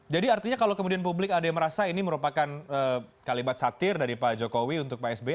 jadi artinya kalau kemudian publik ada yang merasa ini merupakan kalimat satir dari pak jokowi untuk pak sby